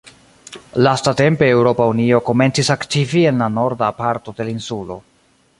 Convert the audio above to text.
Lastatempe Eŭropa Unio komencis aktivi en la norda parto de la insulo.